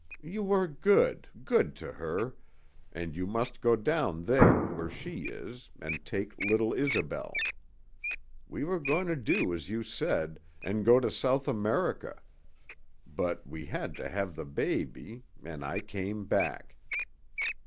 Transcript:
You were good good to her an' you must go down there where she is, and take little Isobel. We were goin' to do as you said an' go to South America. But we had to have the baby, an' I came back.